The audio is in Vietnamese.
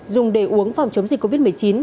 dùng để uống phòng chống dịch covid một mươi chín